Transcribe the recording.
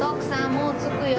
もう着くよ。